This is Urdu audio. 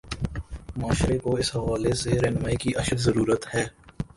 معاشرے کو اس حوالے سے راہنمائی کی اشد ضرورت ہے۔